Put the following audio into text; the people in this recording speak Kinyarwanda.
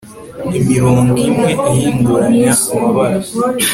Imirongo imwe ihinduranya amabara